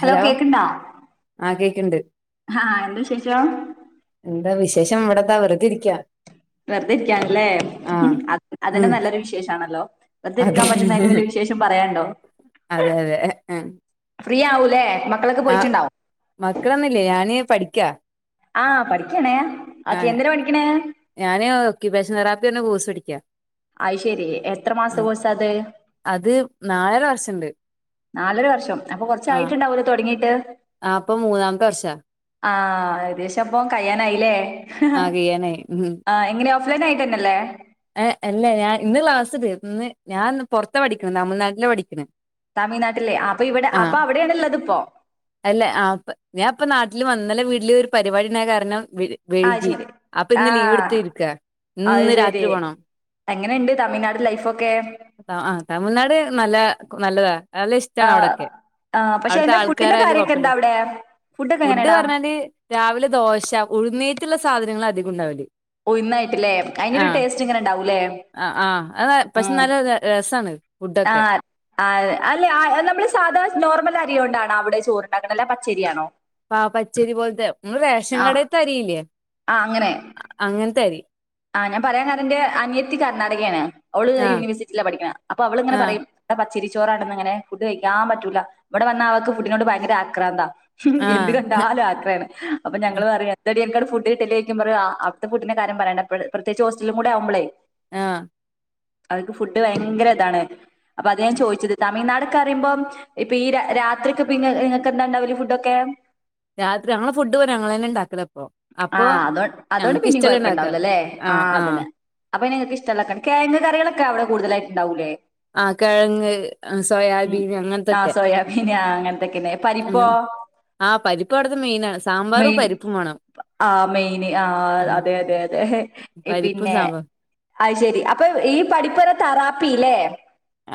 Hello കേക്ക്ണ്ടാ ആ കേക്ക്ണ്ട് ഹാ എന്താ വിശേഷം? എന്താ വിശേഷം ഇവിടെ ദാ വെറ്തിരിക്ക്യാ വെറുതെ ഇരിക്ക്യാണ്ല്ലേ അത് അതന്നെ ഉം നല്ലൊരു വിശേഷാണല്ലോ വെറുതെ അതെ ഇരിക്കാൻ പറ്റുന്നയിലും വല്ല്യ വിശേഷ് ഷം പറയാൻണ്ടോ അതെ അതേ ഫ്രീയാവൂല്ലേ മക്കളൊക്ക പോയിട്ട്ണ്ടാവും മക്കളൊന്നില്ല്യാ ഞാന് പഠിക്ക്യാ ആ പഠിക്ക്യാണ് ഓക്കെ എന്തിനാ പഠിക്ക്ണ് ഞാന് ഒക്ക്യുപ്പേഷൻ തെറാപ്പി പറഞ്ഞ കോഴ്സ് പഠിക്ക്യാ അയ്ശരി എത്ര മാസത്തെ കോഴ്സാ അത് അത് നാലര വർഷണ്ട് നാലര വർഷം അപ്പൊ കൊറച്ചായിട്ട്ണ്ടാവൂലോ തൊടങ്ങീട്ട് അപ്പൊ മൂന്നാമത്തെ വർഷാ ആ ഏകദേശം അപ്പൊ കഴിയാനായീല്ലേ ഹ് ആ കഴിയാനായി ഉം എങ്ങനെയാവു ൺലൈനായിട്ടന്നെല്ലേ ഏഹ് അല്ല ഞാൻ ഇന്ന് ക്ലാസ്സ് തീ ഇന്ന് ഞാന്ന് പൊറത്ത പഠിക്ക്ണ് തമിഴ്നാട്ടിലാ പഠിക്ക്ണ് തമിഴ്നാട്ടില് ആഹ് അപ്പൊ ഇവിടെ അപ്പൊ അവിടെയാണ്ള്ളത്പ്പോ അല്ലെ ആഹ് അപ്പ് ഞാൻ ഇപ്പ നാട്ടില് വന്നലെ വീട്ടില് ഒരു പരിപാടി ഇണ്ടായ കാരണം വിര് അത് വെഴ്കി ശരി. അപ്പിന്ന് ആഹ് ലീവിട്ത്ത് ഇരിക്കാ ഇന്ന് രാത് എങ്ങനെയിണ്ട് തമിഴ്നാട് ലൈഫൊക്കേ? ആ തമിഴ്നാട് നല്ല നല്ലതാ നല്ല ഇഷ്ടാണ് ആഹ് അവിടൊക്കെ ആഹ് പക്ഷെ അവ്ടത്തെ അതിന്റെ ഫുഡിന്റെ ആൾക്കാരായാലും കാര്യൊക്കെ കൊഴപ്പല്ല എന്താ അവിടെ? ഫുഡൊക്കെ ഫുഡ് എങ്ങനെടാ? പറഞ്ഞാല് രാവിലെ ദോശ ഉഴുന്നേറ്റ്ള്ള സാധനങ്ങളധികോം ഉണ്ടാവല് ഉഴുന്നായിറ്റ്ല്ലേ അയിൻ്റൊരു ടേസ്റ്റ് ഇങ്ങനെ ഇണ്ടാവൂല്ലേ അ ആ അതെ പക്ഷെ നല്ല ര രസാണ് ഫുഡൊക്കെ ഞാൻ ആ അല്ലെ നമ്മള് സാധാ നോർമൽ അരിയ കൊണ്ടാണോ അവിടെ ചോറ്ണ്ടാക്കണ് അല്ലെ പച്ചരിയാണോ പ പച്ചരി പോലത്തെ മ്പടെ റേഷൻ കടേൽത്തെ അരിയില്ലേ ആ അങ്ങനെ അങ്ങൻത്തെ അരി. ആഹ് ഞാൻ പറയാൻ കാര ന്റെ അനിയത്തി കർണാടകേണ് ഓള് ആ യൂണിവേഴ്സിറ്റിയില പഠിക്ക്ണേ അപ്പോ അവള്ങ്ങനെ ആ പറയും. ഇവിടെ പച്ചരി ച്ചോറാണെന്ന് ങ്ങനെ ഫുഡ് കഴിക്കാൻ പറ്റുല്ല ഇവിടെ വന്നാ അവക്ക് ഫുഡിനോട് ഭയങ്കര ആക്രാന്താ. ഉം ആ എന്ത് കണ്ടാലും ആക്രേണ്. അപ്പോ ഞങ്ങള് പറയും എന്തടി അന്ക്കടെ ഫുഡ് ക്കിട്ടല്ലേക്കും പറയും ആഹ് അവ്ട്ത്തെ ഫുഡിന്റെ കാര്യം പറയണ്ട പ്ര പ്രത്യേകിച്ച് ഹോസ്റ്റലും കൂടെ ആവുമ്പളേ. ആഹ്. അവക്ക് ഫുഡ് ഭയങ്കര താണ് അപ്പൊ അത് ഞാൻ ചോദിച്ചത് തമിഴ്നാട്. ക്കറിമ്പം ഇപ്പൊ ഈ രാ രാത്രിക്കെ പിന്നെ നിങ്ങക്ക് എന്താ ഉണ്ടാവല് ഫുഡ് ഒക്കെ. രാത്രി ഞങ്ങൾ ഫുഡ് പറിം ഞങ്ങളന്നെ ണ്ടാക്കല ആഹ് അതോ അതോണ്ട് പിന്നീ ഉണ്ടാക്കാം കൊഴപ്പുണ്ടാവൂലല്ലേ ആ ആഹ് ആ അതന്നെ. അപ്പൊ പിന്നെ നിങ്ങൾക്ക്ഷ്ടള്ളക്ക കേങ് കറികളൊക്കെ അവ്ടെ കൂടുതലായിട്ട്ണ്ടാവൂല്ലേ? ആഹ് കെഴങ്ങ് സോയാബീൻ അങ്ങൻത്തെ ആഹ് സോയാബീൻ അങ്ങൻത്തൊക്കെലേ പരി അങ്ങ ആഹ് പരിപ്പുവിട്തെ മെയിനാണ് സാമ്പാറും പരിപ്പും വാണം. ആഹ് മെയിന് ആഹ് അതെ അതെ അതെ ഇ പരിപ്പും പിന്നെ. സാമ്പാറും അയ് ശെരി അപ്പോ ഈ പഠിപ്പാർഞാ തറാപ്പില്ലേ.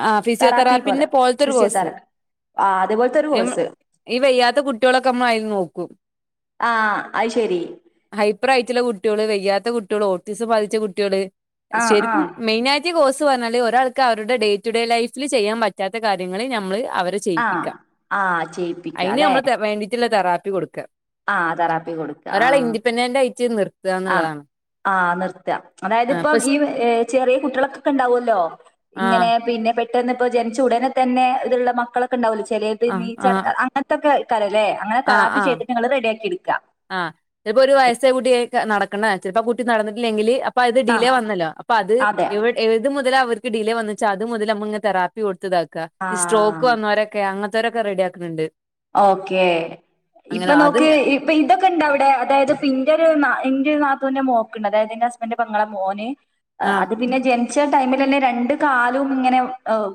ആഹ് ഫിസിയോ തെറാപ്പിന്റെ പോല്ത്തെരു കോഴ്സ്. ആഹ് അതെ പോല്ത്തരു. മ്മ ഈ വയ്യാത്ത കുട്ടിളൊക്കെ നമ്മ അയ്ൽ നോക്കും. ആഹ് അയ് ശെരി. ഹൈപ്പർ ആയിട്ടുള്ള കുട്ടൃള് വെയ്യാത്ത കുട്ടൃള് ഓട്ടീസ് ബാധിച്ച കുട്ടിള്. ആ ആ ശരിക്കും മെയിനായിട്ട് കോഴസ് പറ്ഞ്ഞാല് ഒരാൾക്ക് അവരുടെ ഡേറ്റ് ടു ഡേ ലൈഫിൽ ചെയ്യാൻ പറ്റാത്ത കാരൃങ്ങള് നമ്മൾ അവരെ. ആ ചെയ്യിപ്പിക്കാ ആ ചെയ്യിപ്പിക്കുക അയിന് അല്ലെ നമ്മള് തെ വേണ്ടിട്ട്ള്ള തെറാപ്പി കൊട്ക്ക. ആ തെറാപ്പി ഒരാളെ ഇൻഡിപെൻഡന്റ് ആയിട്ട് നിർ ആഹ് ആഹ് നിർത്ത അതായത് ആഹ് ഇപ്പ ഇപ്പം ഈ ചെറിയ കുട്ടിളൊക്ക ണ്ടാവുല്ലോ. ആഹ് ഇങ്ങനെ പിന്നെ പെ ട്ടന്ന് ഇപ്പോ ജന്ച്ച ഉടനെ തന്നെ ഇത്ള്ള മക്കളൊക്കെ ഉണ്ടാവുല്ലേ ചെലേത് ആഹ് ആഹ് നീച്ചട്ക്കാ അങ്ങൻത്തെക്കെ ക്കാരംല്ലേ? അങ്ങനെ ആഹ് തെറാപ്പി ആഹ് ചെയ്തി്ട്ട്ങ്ങള് റെഡിയാക്കിട്ക്ക. ആഹ് ചെലപ്പോ ഒരു വയസ്സെ കൂട്ടിയ നടക്ക്ണേ ചെലപ്പോ ആഹ് കുട്ടി നടന്നിട്ടില്ലെങ്കില് അ പ്പ അത് ഡിലേ ആഹ് വന്നല്ലോ അപ്പൊ അത് അതെ എവി ഏത് മുതലാ അവർക്ക് ഡിലേ വന്ന്ച്ചാ അത് മുതല് നമ്മ ങ്ങ് തെറാപ്പി കൊട്ത്ത്താക്ക ഈ സ്ട്രോക്ക് ആഹ് വന്നവ ക്കെ അങ്ങനത്തോരൊക്കെ റെഡിയാക്ക്ണ്ട്. ഓക്കേ ഇപ്പൊ അത് നോക്ക്. ഇപ്പൊ ഇതൊക്കെ ഇണ്ട് അവ്ടെ അതായത് പിന്റെ ഒരു എന്റെ ഒരു നാത്തൂന്റെ മോക്ക്ണ്ട് അതായത് ന്റെ ഹസ്ബന്റ് ന്റെ പെങ്ങള മോന്. ആഹ് അത് പിന്നെ ജൻ ച്ച ടൈമിൽന്നെ രണ്ട് കാലും ഇങ്ങനെ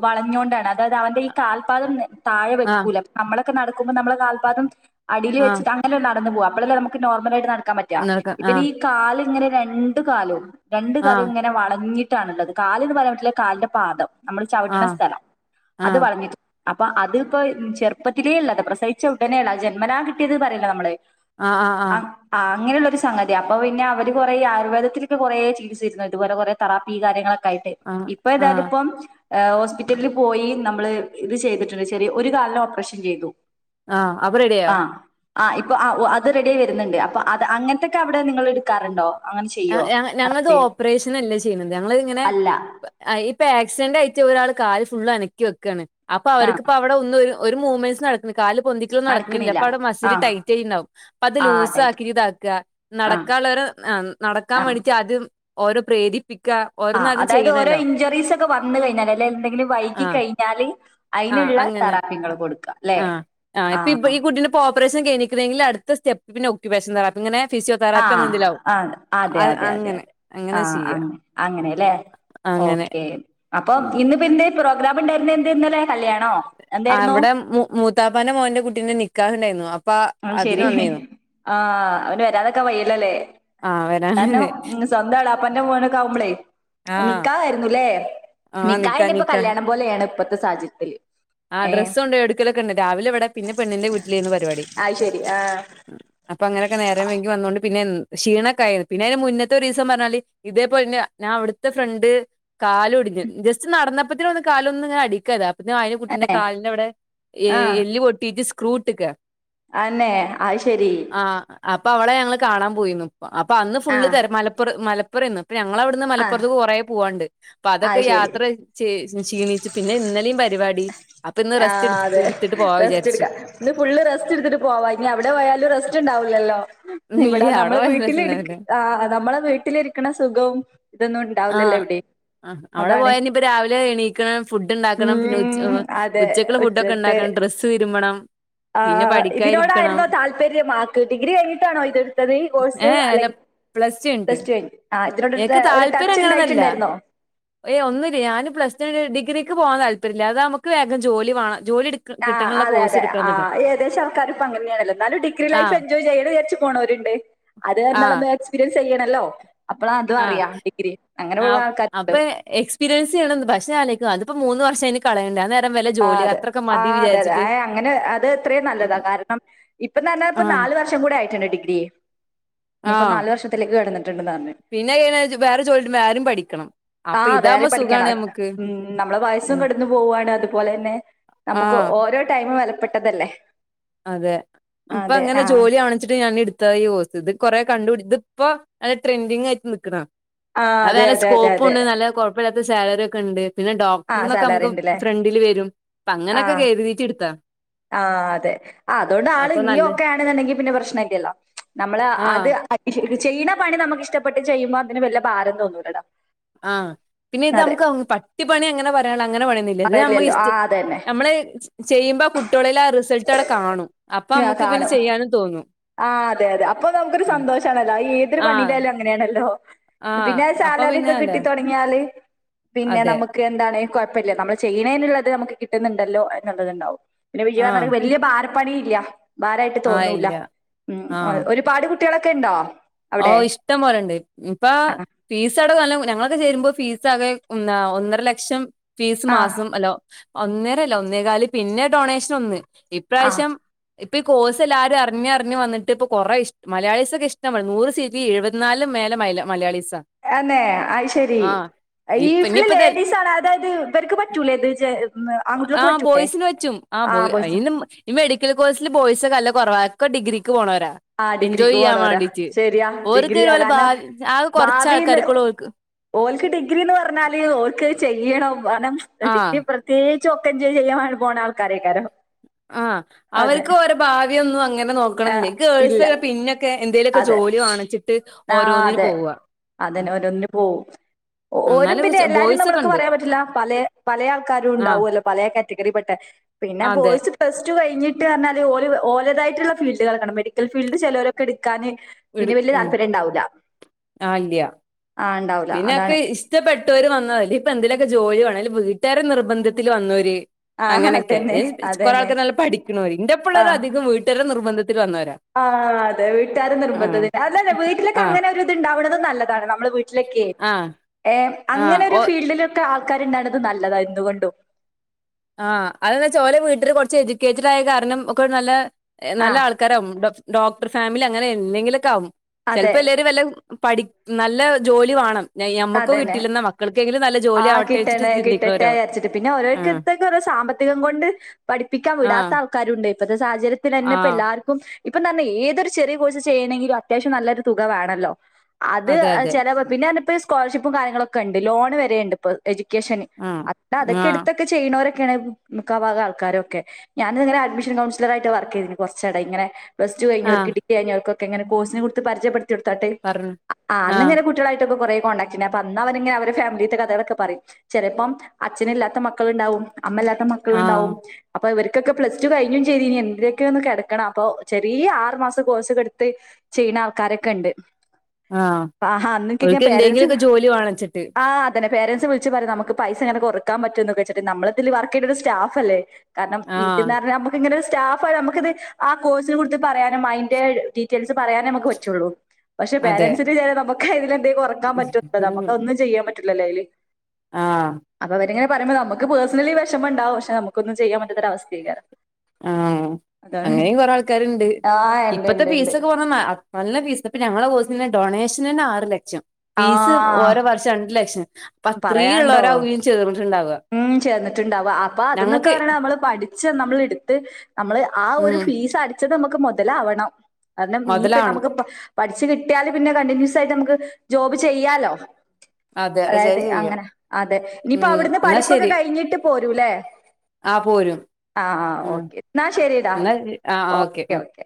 വളഞ്ഞോണ്ടാണ് അതായത് അവന്റെ ഈ കാൽപാദം. താഴെ ആഹ് വെക്കൂല നമ്മളൊക്കെ നടക്ക്മ്പം നമ്മളെ കാൽപാദം അടിൽ ആഹ് വെച്ച്. ങ്ങനെ നട്ന്നു പോവാ അപ്പളല്ലെ നമുക്ക് നോർമലായിട്ട് നട്ക്കാൻ പറ്റാ നടക്ക ഇബനീ ആഹ് ഈ കാല് ഇങ്ങനെ രണ്ടു കാലും. രണ്ട് കാലും ആഹ് ഇങ്ങനെ വളഞ്ഞിട്ടാണ്ള്ളത് കാല്ന്ന് പറയാൻ പറ്റുല കാല്ന്റെ പാദം. നമ്മൾ ചവിട്ട്ണ ആഹ് സ്ഥലം അത് ആഹ് വളഞ്ഞിട്ട് അപ്പോ അത്പ്പോ ചെറ്പ്പ ത്തില്ള്ളത പ്രസവിച്ച ഉടനെള്ള ജന്മനാ കിട്ടിയത് പറിയല്ല നമ്മള് ആഹ്. ആഹ് അങ്ങനെള്ള ഒരു സംഗതി അപ്പോ പിന്നെ അവര് കുറെ ആയുർവേദത്തിലൊക്കെ കുറേ ചികിത്സ [unintelligible] ഇതുപലെ കൊറെ തറാപ്പി കാരൃങ്ങളൊക്കെ. യിട്ട് ആഹ് ഇപ്പോ എതായാലും ആഹ് ഇപ്പം. ഏഹ് ഹോസ്പിറ്റലിൽ പോയി നമ്മള് ഇത് ചെയ്തിട്ട്ണ്ട് ചെരി ഒരു കാലിന് ഓപ്പറേഷൻ ചെയ്തു. ആഹ അപ റെഡിയയെ ആ ആ ഇപ്പ അഹു അത് റെഡി ആായി വരുന്നുണ്ട് അപ്പൊ അത് അങ്ങനത്തൊക്കെ അവിടെ നിങ്ങൾ എടുക്കാറുണ്ടോ അങ്ങനെ ഹെ ചെയ്യോ ഹെ ഞങ്ങളത് തെറാപ്പി ഓപ്പറേഷന അല്ല ചെയ്യുന്നത് ഞങ്ങള ഇങ്ങനെ അല്ല ആഹ് ഇപ്പൊ ആക്സിഡന്റ് ആയിട്ട് ഒരാൾ കാല് ഫുള് അനക്കി വെക്കയാണ് അപ്പൊ ആ അവർക്ക്പ്പ അവിടെ ഒന്ന ഒരു മൂവ്മെന്റ്സ് നടക്കുന്ന കാല് പൊന്തിലും നടക്കണില്ല അപ്പൊവിടെ ആ മസിൽ ടൈറ്റ് ആയിട്ടണ്ടാവും അപ്പ അത് ആ ലൂസ് ഡയറ്റ് ആക്കി ഇതാക്ക ആ നടക്കാനുള്ളരു ആഹ് നടക്കാൻ ആ വേണ്ടിട്ട് ആദ്യം ഓരോ പ്രേരിപ്പിക്ക ഓരോന്നും ആഹ് ആദ്യം അതായത് ഓരോ ചെയ്യണല്ലോ ഇഞ്ചുറീസ് ഒക്കെ വന്ന കഴിഞ്ഞാല് അല്ലെ എന്തെങ്കിലും വൈകി ആഹ് കഴിഞ്ഞാല് ആഹ് അതിനുള്ള അങ്ങനെ തറാപ്പ്യ നിങ്ങൾ കൊടുക്ക ല്ലെ ആഹ് ഇപ്പ ഓപ്പറേഷൻ കഴിഞ്ഞെക്കുന്നെങ്കിൽ അടുത്ത സ്റ്റെപ്പനു ക്ക് വേഷണ് ഇങ്ങനെ ഫിസിയോ ആ തെറാപ്പി അങ്ങനെതിലാവും ആ അതെ അ അങ്ങനെ അങ്ങനെ ചെയ്യാം അങ്ങനെല്ലേ ഓക്കെ അപ്പൊ ഇന്ന് പിന്നെ പ്രോഗ്രാം ഉണ്ടായിരുന്ന എന്ത് ഇന്നല്ലെ ആഹ് ഇവിടെ മൂ മൂത്താപ്പന്റെ മോന്റെ കുട്ടീന്റെ നിക്കാഹുണ്ടായിരുന്നു അപ്പ അതിന് വന്നായിരുന്നു ആഹ് അവന് വരാതൊക്കൻ വയ്ല്ലല്ലേ ആഹ് വരാന് കാരണം ഇന്ന് സ്വന്തം ഇളയപ്പന്റെ മോനോക്കേ ആകുമ്പളെ ആഹ് നിക്കായിരുന്നുല്ലേ ആഹ് നിക്കാഹ് നിക്കാ നി ഇപ്പോ നിക്കാ കല്യാണം പോലെയാണ് ഇപ്പഴത്തെ സാഹചര്യത്തില് ആഹ് ഏ ഡ്രസ്സ്‌ കൊണ്ട്ടുക്കലൊക്കെണ്ട് രാവിലെ ഇവിടെ പിന്നെ പെണ്ണിന്റെ വീട്ടിലെനു പരിപാടി അഹ് ശരി ആഹ് ഉം അപ്പൊ അങ്ങനൊക്കെ നേരം വൈകി വന്നുകൊണ്ട് പിന്നെ ക്ഷീണൊക്ക ആയിരുന്നു പിന്നെ അതിന് മുന്നത്തെ ഒരു ദിവസം പറഞ്ഞാല് ഇതേപോലെന്നെ ഞാൻ അവിടുത്തെ ഫ്രണ്ട് കാല് ഒടിഞ്ഞ് ജസ്റ്റ് നടന്നപ്പത്തിഒന്ന് കാല് ഒന്ന് ഇങ്ങനെ അടിക്കാതെ അപ്പൊത്തിന് അയിന് അന്നെ പിന്നെ കാലിന്റെ അവിടെ എ എല്ല് പൊട്ടിയിട്ട് സ്ക്രൂ ഇട്ട്ക്ക ആന്നെ അഹ് ശരി ആഹ് അപ്പൊ അവള ഞങ്ങൾ കാണാൻ പോയിന്നു അപ്പൊ അന്ന് ഫുള്ള് ആഹ് തി മലപ്പുറ മലപ്പുറം ന്ന് അപ്പൊ ഞങ്ങള അവിടുന്ന് ആഹ് മലപ്പുറത്ത് കുറ പോവാണ്ട് അപ്പൊ അത് അതൊക്കെ ശരി യാത്ര ചേ ക്ഷീണിച്ചു പിന്നെ ഇന്നലെയും പരിപാടി അപ്പൊ ഇന്ന് റെസ്റ്റ് എടു ആഹ് അതെ എടുത്തിട്ട് പോവാ വിചാരിച്ച് റേസ്റ്റ്ടുക്ക ഇന്ന് ഫുള് റെസ്റ്റ് എടുത്തിട്ട് പോവാ ഇനി അവിടെ പോയാലും റെസ്റ്റ് ഇണ്ടാവൂല്ലല്ലോ ഇല്ല ഇവിടെ അവിടെ നമ്മളെ പോയ വീട്ടിൽ ഇരി രസണ്ടാവില്ല ആഹ് നമ്മളെ വീട്ടിലിരിക്കണ സുഖവും ഇതൊന്നും ഇണ്ടാവില്ലല്ലോ ആഹ് എവിടിം ആഹ് അവിടെ പോയന്നി ഇപ്പൊ രാവിലെ എണീക്കണം ഫുഡ് ഉണ്ടാക്കണം പിന്നെ ഉച്ച ഉം അതെ ഉച്ചക്കുള ഫുഡ് ഒക്കെ ഉച്ചത്തെ ഉണ്ടാക്കണം ഡ്രസ്സ് തിരുമ്പണം പിന്നെ ആഹ് പഠിക്കാനിരിക്കണം ഇതിനോടായിരുന്നോ താല്പര്യം ആൾക്ക് ഡിഗ്രി കഴിഞ്ഞിട്ടാണോ ഇത് ഇട്ത്തത് ഇ കോഴ്സ് ഏഹ് അല്ല അല്ലെങ്കിൽ പ്ലസ് ടു കഴിഞ്ഞിട്ട് ടെസ്റ്റ് കഴിഞ്ഞു ഇതിനോട് എനിക്ക് ഒരു ടച്ച് ഇണ്ടായിട്ടുണ്ടായിരുന്നോ ഏഹ് ഒുന്നുല്ല ഞാന് പ്ലസ് ടു കഴിഞ്ഞ് ഡിഗിക്ക് പോവാൻ താല്പര്യല്ല അതാ നമുക്ക് വേഗം ജോലി വണം ജോലി എടു ആഹ് അതെ അതെ ആഹ് ഏകദേശം ആൾക്കാർ ഇപ്പ അങ്ങനെയണല്ലോ എന്നാലും ഡിഗ്രി ലൈഫ് ആഹ് എൻജോയ് ചെയ്യല് വിചാരിച്ചു പോവണരുണ്ട് അത് ആഹ് പറഞ്ഞ എക്സ്പീരിയൻസ് ചെയ്യണല്ലോ അപ്പോൾ അതും ആഹ് അറിയാം ഡിഗ്രി അങ്ങനെ പോവുന്ന ആൾക്കാരുണ്ട് എക്സ്പീരിയൻ ചെയണന്ന് പക്ഷേ അത്ക്കും അതിപ്പോ മൂന്ന് വർഷമായി ആഹ് അതെ ആഹ് അതെ അതെ വിചാരിച്ചിട്ട് ആഹ് അങ്ങനെ അത് എത്രയും നല്ലതാ ആഹ് കാരണം ഇപ്പന്നാപറഞ്ഞ ഇപ്പ ആഹ് നാല് വർഷം കൂടെ ആയിട്ടുണ്ട് ഡിഗ്രി ഇനി ഇപ്പൊ ആഹ് നാല് വർഷത്തിലേക്ക് കടന്നിട്ടുണ്ടന്ന് പറഞ്ഞ പിന്നെ അഹ്‌ കഴിഞ്ഞ വേറെ ചോലികിട്ടുബോ ആരും പഠിക്കണം അപ്പൊ ആഹ് വേറിം ഇതാവുമ്പോ സുഖാണ് പഠിക്കണം നമുക്ക് ഉം നമ്മളെ വയസ്സും ഉം കടന്നു പോവുണ് അതുപോലെ തന്നെ നമുക്ക് ആഹ് ഓരോ ടൈമും വെലപ്പെട്ടതല്ലേ അതെ അപ്പൊ അങ്ങനെ ജോലി കാണിച്ചിട്ട് ഞാൻ എടു [unintelligible] ഇത് കൊറെ കണ്ട്പിടി ഇതിപ്പോ നല്ല ട്രെൻഡിങ് ആയി നിക്കണണ് ആ അതെ അതാണല്ല അതെ അതെ അതെ സ്കോപ്പ്‌ണ്ട് നല്ല കൊ പ്പല്ലാത്ത സാലറിക്കെണ്ട്. പിന്നെ ആ ഡോക്ടർ ന്നൊക്കെ സാലറി നമുക്ക് ഉണ്ടല്ലേ ഫ്രണ്ടില് വരും. പ്പങ്ങനൊക്കെ കര്തീറ്റ് ട്ത്താ ആഹ് അതെ അതോണ്ട് ആള് അപ്പൊ നീയു നല്ല ഒക്കെ ആണെന്നെണ്ടെങ്കി പിന്നെ പ്രശ്നല്ലല്ലോ നമ്മള് ആ അത് ചെയ്യ്ണ പണി നമുക്ക് ഇഷ്ടപ്പെട്ട് ചെയ്യുമ്പോ അതിന് വല്ല ഭാരം തോന്നൂലടാ. ആഹ് പിന്നെ ഇത് നമുക്ക് പട്ടിപ്പണി അങ്ങനെ പറയാള്ള അങ്ങനെ പണിയൊ ല്ലത് നമ്മ പറയല്ലല്ലോ ആ ഇഷ് അതന്നെ നമ്മള് ചെയ്യുമ്പോ കുട്ടിയോളില് ആ റിസൾട്ട് അടെ കാണും. അപ്പമ്മക്ക് പിന്നെ ചെയ്യാനും തോന്നും ആഹ് അതെ അതെ അപ്പൊ നമുക്ക് ഒരു ആ സന്തോഷാണല്ലോ. അത് ഏതൊരു ആ പണീലായാലും അങ്ങനെയാണല്ലോ ആ പിന്നെ അത് അപ്പൊ സാലറി പിന്നെ ഒക്കെ അല്ല കിട്ടി തൊട്ങ്ങിയാല് പിന്നെ അതെ നമുക്ക് എന്താണ് കൊ ഴ്പ്പല്ല. നമ്മൾ ചെയ്യ്ണേന്ള്ളത് നമുക്ക് കിട്ട്ന്ന്ണ്ടല്ലോ എന്നുള്ളത്ണ്ടാവും. ആ പിന്നെ [unintelligible] വല്യ ഭാരം പണീല്ല. ഭാരായിട്ട് ആ തോന്നൂല. ഇല്ല ഉം ഒരുപാട് കുട്ട്യേളൊക്കെണ്ടോ? ഓഹ് ഇഷ്ടം പോലെണ്ട് ഇപ്പൊ ഫീസ് അടവ് ഞങ്ങളൊക്കെ ചേരുമ്പൊ ഫീസ് ആകെ ഒന്നര ലക്ഷം ഫീസ് ആഹ് മാസം അല്ലോ ഒന്നരല്ല ഒന്നേകാല് പിന്നെ ഡൊണേഷൻ ഒന്ന് ആഹ് ഇപ്രാവശ്യം ഇപ്പൊ ഈ കോഴ്സ് എല്ലാരും അർഞ്ഞർഞ്ഞ്‌ വന്നിട്ട് പ്പൊ കൊറേ ഇഷ് മലയാളീസൊക്കെ ഇഷ്ട പോലെ നൂറ് സീറ്റി എഴുവത്ത്നാലും മേലെ മലയാളിസാ എന്നെ അയ് ശരി ഇപ്പ [unintelligible] ഇനിയിപ്പ ഇത ലേഡീസാണോ അതോ ഇത് ഇവര്ക്ക് പറ്റൂലേ ഇത് ആങ്കുട്ട്യേൾക്ക് ആഹ് പറ്റൂലേ ആഹ് ബോയ്സ് [unintelligible] ഈ മെഡിക്കൽ കോഴ്സില് ബോയ്സ് ഒക്കെല്ല കൊറവാ. ഒക്കെ ഡിഗ്രിക്ക് പോണോരാ ആഹ് എൻജോയ് ഡിഗ്രിക്ക് ചെയ്യാൻ പോണോരാ വേണ്ടീട്ട്. ശരിയാ ഓര്ക്ക് ഡിഗ്രിയാ ഓലെ കാര്ണം ഭാവി ആകെ കൊറച്ച് ഭാവിന്ന് ആൾക്കാർക്കൊള്ളൂ ഓൽക്ക് ഓൽക്ക് ഡിഗ്രിന്ന് പർഞ്ഞാല് ഓൽക്കത് ചെയ്യണം കാനം ആഹ് ഡിഗ്രി ത്രേഗിച്ച് [unintelligible] ചെയ്യണ അനുഭാണ ആൾക്കാരെയ്ക്കാരം ആഹ് അവർക്ക് ഓരെ ഭാവിയൊന്നും അങ്ങനെ ആഹ് നോക്കണന്നില്ലേ ഇല്ല ഗേൾസക്കെ പിന്നെ ക്കെ എന്തേലു ഒക്കെ അതെ ജോലി വാണച്ചിട്ട് ആഹ് ഓരോന്നിന് അതെ പോവ അതന്നെ ഓരോന്നിന് പോവും. ഓരും എന്നാലും പിന്നെ ചെ എല്ലാരും ബോയ്സ് ഒക്കെ നമ്മൾക്ക് ഉണ്ട് പറയാൻ പറ്റില്ല പലേ പലേ ആൾക്കാരും ആഹ് ഉണ്ടാവൊല്ലോ. പലേ കാറ്റഗറി പെട്ടെ പിന്നെ അതെ ബോയിസ് പ്ലസ് ടു കഴിഞ്ഞിട്ട് അർഞ്ഞാല് ഓല് ഓലതായിട്ടുള്ള ഫീൽഡ് [unintelligible] മെഡിക്കൽ ഫീഡ് ചേലോരൊക്കെ എടുക്കാന് ഇട് പിന്നെ വല്യ ഉം താല്പര്യണ്ടാവുല്ല ആഹ് ഇല്ല്യ ആഹ് പിന്നൊക്കെ ഇഷ്ടപെട്ടോര് വന്നല്ലേ ഇപ്പൊ എന്തിലൊക്കെ ജോലി വേണ. അല്ലെ വീട്ടാരെ നിർബന്ധത്തില് വന്നോര് ആ അങ്ങനെക്കെ അതന്നെ കൊറേ അതന്നെ ആൾക്കെ നല്ല പഠിക്ക്ണോര്. ഇന്റെപ്പള്ളോരധികം വീട്ടാരെ നിർബന്ധത്തിൽ വന്നവരാ ആഹ് അതെ വീട്ടാരെ നിർബന്ധത്തി അതന്നെ വീട്ടിലൊക്കെ ആഹ് അങ്ങനെ ഒരു ഇത് ഇണ്ടാവ്ണതും നല്ലതാണ് നമ്മൾ വീ ട്ടിലൊക്കെ ആഹ് ഏ അങ്ങനെ ആഹ് ഒരു ഓ ഫീൽഡിലൊക്കെ ആൾക്കാര്ണ്ടാണത് നല്ലതാ എന്തുകൊണ്ടും ആഹ് അതെന്ത് വെച്ചാ ഓലെ വീട്ടില് കൊർച്ച് എജുക്കേറ്റഡ് ആയ കാരണം ഒക്കെ നല്ല ആ നല്ല ആൾ ക്കാരം ഡോക്ടർ ഫാമിലി അങ്ങനെ എന്തെങ്കിലൊക്കെ ആവും. അതെ ചെൽപ്പോ എല്ലാരും വല്ല പഠി നല്ല ജോലി വാണം. ഞമ്മക്കും അതന്നെ കിട്ടില്ല. ന്നാ മക്കൾക്കെങ്കിലും നല്ല ജോലി ആഹ് ആവട്ടേയ്ച്ച് കിട്ടണേ കിട്ടട്ടെ ചിന്തിക്ക്ണോരോ വിചാരിച്ചിട്ട് പിന്നെ ആഹ് ഓരോരുത്തർക്ക് സാമ്പത്തികം കൊണ്ട് പഠിപ്പിക്കാൻ വിടാത്ത ആഹ് ആൾക്കാരുണ്ട്. ഇപ്പത്തെ സാഹചര്യത്തിലെന്നെ ഇപ്പൊ ആഹ് എല്ലാ ക്കും ഇപ്പം തന്നെ ഏതൊരു ചെറിയ കോഴ്സ് ചെയ്യണെങ്കിലും അത്യാവശ്യം നല്ലൊരു തുക വേണല്ലോ. അത് അതെ അതെ ചെല പിന്നെ ന്നപ്പൊ സ്കോളർഷിപ്പും കാര്യങ്ങളൊക്കെണ്ട്. ലോണ് വര്ണ്ട് ഇപ്പൊ എജുക്കേഷന് ആഹ് അത്ത അതൊക്കെ ആഹ് എട്ത്തൊക്കെ ചെയ്യ്ണോരൊക്കെയാണ് മുക്കാ ഭാഗ ആൾക്കാരൊക്കെ ഞാനും ഇങ്ങനെ അഡ്മിഷൻ കൗൺസിലറായിട്ട് വർക്കെയ്തിന് കൊർച്ചട ഇങ്ങനെ പ്ലസ്ടു കയ്ഞ്ഞോൽക്ക് ആഹ് ഡിഗ്രി കയ്ഞ്ഞോൽക്കെങ്ങനെ കോഴസിനെ [unintelligible] പര്ജയ്പ്പെ ട്ത്തിയൊട്ത്താട്ട് പറഞ്ഞു ആഹ് അന്നിങ്ങനെ കുട്ട്യാളായിട്ടൊക്ക കൊറേ കോൺടാക്ട് പിന്നെ അന്ന് അവർങ്ങന അവര് ഫാമിലീത്തെ കഥകളൊക്കെ പറയും ചെലപ്പം അച്ഛന ഇല്ലാത്ത മക്കളുണ്ടാവും അമ്മ ഇല്ലാത്ത ആഹ് മക്കളുണ്ടാവും അപ്പൊ ഇവർക്കൊക്കെ പ്ലസ ടു കഴിഞ്ഞും ചെയ്തി ഇനി എന്തൊക്കെയ ഒന്ന് കിടക്കണം അപ്പോ ചെറിയ ആറ് മാസം കോഴ്സ്ടുത്ത് ചെയ്യ്ണ ആൾക്കാരൊക്കെ ഇണ്ട് ആഹ് ഒല്ക്ക് എന്തെങ്കിലൊക്കെ ജോലി വാണച്ചിട്ട് ആഹ്തന്നെ പേൻറ്സ് വിളച്ച് പറയാ നമുക്ക് പൈസങ്ങെറക്കാൻ പറ്റോന്ന്ക്കെച്ചട്ട നമ്മ ഇതില് വർക്ക് ചെയ്ട്ട ഒരു സ്റ്റാഫ്ല്ലേ കാരണം ഇത്ന്ന് ആഹ് പറഞ്ഞാൽ നമുക്ക് ഇങ്ങനെ ഒരു സ്റ്റാഫാണ് നമുക്കിത് ആ കോഴ്സിന് കുറിച്ച് പറയാനും അതിന്റെ ഡീറ്റെയിൽസ് പറയാനേ നമക്ക് പറ്റൊള്ളു പേരന്റ്സിന്റെ വിചാരം നമുക്ക് അതിലേതേലും കൊ ഉ നമുക്ക് ഒന്നും ചെയ്യാൻ പറ്റില്ലല്ലേ അതിൽ ആഹ് അപ്പൊ അവരിങ്ങെ പറയ്പോ നമക്ക് പേഴസണലി വിഷമ ഇണ്ടാവും പക്ഷെ നമുക്കൊന്നും ചെയ്യാൻ പറ്റാത്ത അവസ്ഥയക്കാരം ആഹ് അങ്ങനെയും കൊറെ ആൾക്കാര്ണ്ട് ആഹ് ഇണ്ട് ഇപ്പത്തെ ഇണ്ട് ഇണ്ട്. ഫീസൊക്കെ പറഞ്ഞ നല്ല നല്ല ഫീസ് ഇപ്പൊ ഞങ്ങളുടെ കോഴ്സിെ ഡൊണേഷൻ തന്നെ ആറ് ലക്ഷം ഫീസ് ഓരോ വർഷം രണ്ട് ലക്ഷം അപ്പൊ അത്രയും പറയണ്ടോ ഉള്ളവരാവും ചേർന്നിട്ടുണ്ടാവുക ഉം ചെയ്തിട്ട്ണ്ടാവ അപ്പൊ അതന്നൊക്കെ ഞങ്ങൾക്ക് പറിണ നമ്മള് പഠിച്ച നമ്മൾ ഇടുത്ത് നമ്മള് ആ ഒരു ഉം ഫീസ് അടിച്ചത് നമുക്ക് മൊതലാവണം കാരണം നീപ്പ മുതലാവണം നമുക്ക് പഠിച്ചു കിട്ടിയാല് പിന്നെ കണ്ടിന്യൂസ് ആയിട്ട് നമുക്ക് ജോബ് ചെയ്യാലോ അതെ അത് അതായത് ചെയ്യാം അങ്ങനെ അതെ ഇനിയിപ്പോ ഉം അവിടുന്ന് എന്നാ പഠിപ്പൊക്കെ ശരി കഴിഞ്ഞിട്ട് പോരൂല്ലേ ആഹ് പോരും ആഹ് ഉം ഓക്കെ എന്നാ ശരിടാ എന്നാ ആഹ് ആഹ് ഓക്കെ ഉം ഓക്കെ